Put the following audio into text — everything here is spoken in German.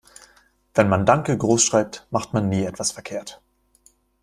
Wenn man "Danke" groß schreibt, macht man nie etwas verkehrt.